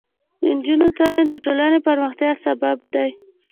د نجونو تعلیم د ټولنې پراختیا سبب دی.